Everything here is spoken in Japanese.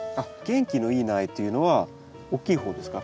元気のいい苗っていうのは大きい方ですか？